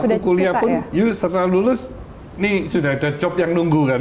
karena waktu kuliah pun setelah lulus nih sudah ada job yang nunggu kan